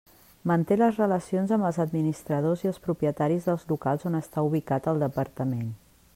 Manté les relacions amb els administradors i els propietaris dels locals on està ubicat el Departament.